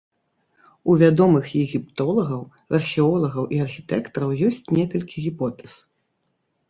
У вядомых егіптолагаў, археолагаў і архітэктараў ёсць некалькі гіпотэз.